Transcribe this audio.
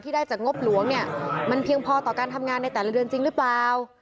ได้จากงบหลวงเนี่ยมันเพียงพอต่อการทำงานในแต่ละเดือนจริงหรือเปล่า